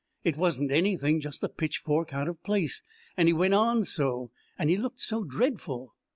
It wasn't anything, just a pitchfork out of place. And he went on so. And he looked so dreadful."